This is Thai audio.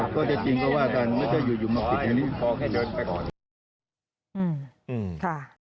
ก็จะจริงก็ว่ากันไม่ใช่อยู่มักติดอย่างนี้